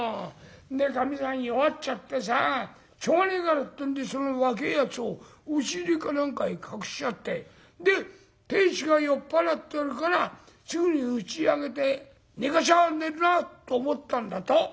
でかみさん弱っちゃってさしょうがねえからってんでその若えやつを押し入れか何かへ隠しちゃってで亭主が酔っ払ってるからすぐにうちへ上げて寝かしゃあ寝るなと思ったんだと。